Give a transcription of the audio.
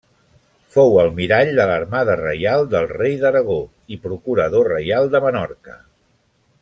Fou almirall de l'Armada Reial del rei d'Aragó i Procurador reial de Menorca.